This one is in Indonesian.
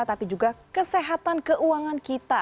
tapi juga kesehatan keuangan kita